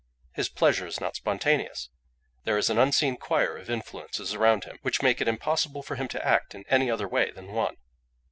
His pleasure is not spontaneous; there is an unseen choir of influences around him, which make it impossible for him to act in any other way than one.